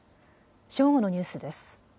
正午のニュースです。